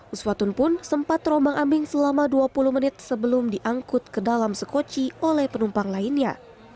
usfatun pun sempat terombang ambing selama dua puluh menit sebelum diangkut ke dalam sekoci oleh penumpang lainnya